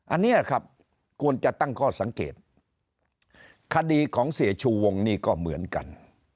อันนี้ครับควรจะตั้งข้อสังเกตคดีของเสียชูวงนี่ก็เหมือนกัน